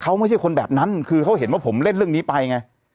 เขาไม่ใช่คนแบบนั้นคือเขาเห็นว่าผมเล่นเรื่องนี้ไปไง